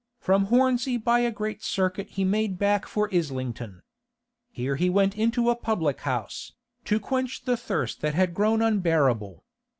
From Hornsey by a great circuit he made back for Islington. Here he went into a public house, to quench the thirst that had grown unbearable.